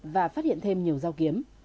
và phát hiện thêm nhiều dao kiếm